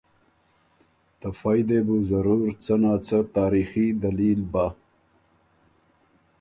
ته فئ دې بُو ضرور څه نا څه تاریخي دلیل بَۀ۔